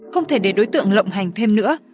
không thể để đối tượng lộng hành thêm nữa